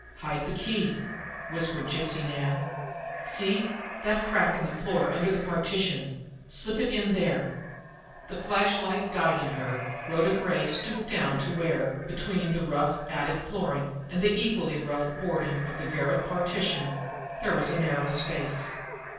"Hide the key!" whispered Gypsy Nan. "See that crack in the floor under the partition! Slip it in there!" The flashlight guiding her, Rhoda Gray stooped down to where, between the rough attic flooring and the equally rough boarding of the garret partition, there was a narrow space.